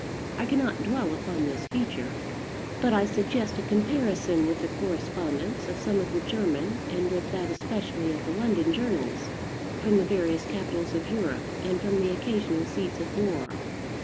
I cannot dwell upon this feature; but I suggest a comparison with the correspondence of some of the German, and with that especially of the London journals, from the various capitals of Europe, and from the occasional seats of war.